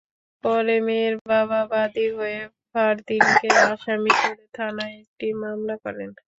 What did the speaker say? পরে মেয়ের বাবা বাদী হয়ে ফারদীনকে আসামি করে থানায় একটি মামলা করেন।